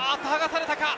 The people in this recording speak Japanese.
剥がされたか。